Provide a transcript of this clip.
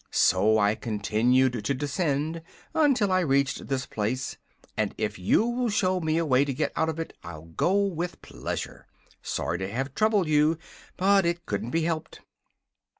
So I continued to descend until I reached this place, and if you will show me a way to get out of it, I'll go with pleasure. Sorry to have troubled you; but it couldn't be helped."